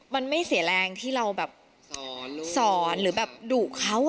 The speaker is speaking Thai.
มันไม่เสียแรงที่เราแบบสอนหรือแบบดุเขา